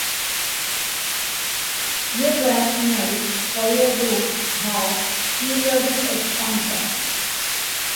Irrational square roots have periodic expansions.